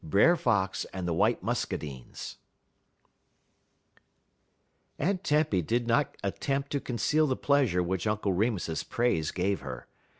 LXIII BRER FOX AND THE WHITE MUSCADINES Aunty Tempy did not attempt to conceal the pleasure which Uncle Remus's praise gave her.